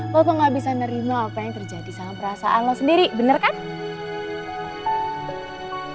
lo kok ga bisa nerima apa yang terjadi sama perasaan lo sendiri bener kan